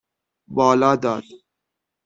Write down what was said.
بالا داد